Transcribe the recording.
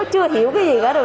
nó chưa hiểu cái gì cả rồi